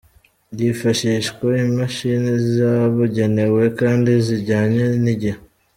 Hifashishwa Imashini zabugenewe kandi zijyanye n'igihe.